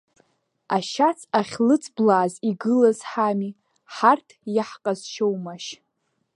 Ашьац ахьлыҵблааз игылаз ҳами, ҳарҭ иаҳҟазшьоумашь…